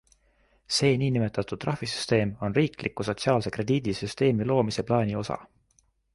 See nn trahvisüsteem on riikliku sotsiaalse krediidisüsteemi loomise plaani osa.